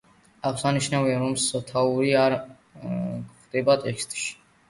აღსანიშნავია, რომ სათაური არ გვხვდება ტექსტში.